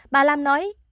bà lam nói